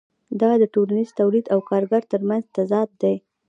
دا د ټولنیز تولید او کارګر ترمنځ تضاد دی